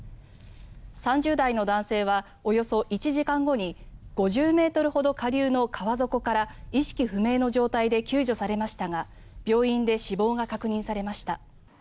３０代の男性はおよそ１時間後に５０ｍほど下流の川底から意識不明の状態で救助されましたが病院で死亡が確認されました。